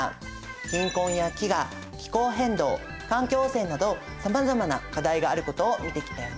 貧困や飢餓気候変動環境汚染などさまざまな課題があることを見てきたよね。